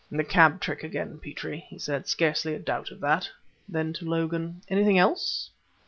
"The cab trick again, Petrie!" he said; "scarcely a doubt of it." Then, to Logan: "Anything else?"